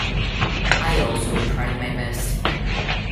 I also tried my best.